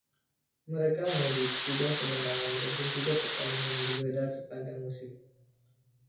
Mereka memiliki tiga kemenangan beruntun tiga pertandingan berbeda sepanjang musim.